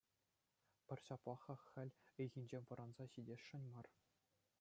Пӑр ҫаплах-ха хӗл ыйхинчен вӑранса ҫитесшӗн мар.